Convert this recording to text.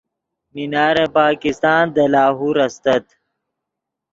مینار پاکستان دے لاہور استت